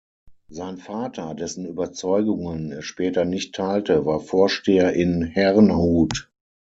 Sein Vater, dessen Überzeugungen er später nicht teilte, war Vorsteher in Herrnhut.